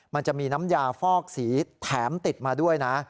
มันจะมีน้ำยาฟอกสีแถมติดมาด้วยนะ